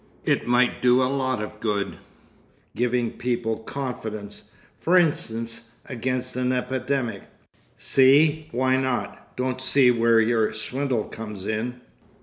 It might do a lot of good—giving people confidence, f'rinstance, against an epidemic. See? Why not? don't see where your swindle comes in."